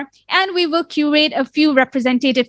dan kami akan membuat beberapa pertanyaan representatif